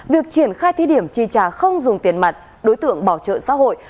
việc triển khai thí điểm tri trả không dùng tiền mặt đối tượng bảo trợ xã hội